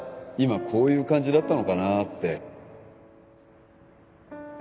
今こういう感じだったのかなって